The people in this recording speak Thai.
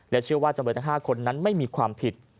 เชื่อว่าจำเลยทั้ง๕คนนั้นไม่มีความผิด